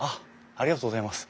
ありがとうございます。